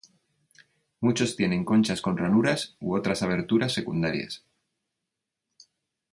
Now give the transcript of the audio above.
Muchos tienen conchas con ranuras u otras aberturas secundarias.